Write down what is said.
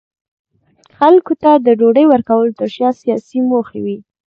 خلکو ته د ډوډۍ ورکولو ترشا سیاسي موخې وې.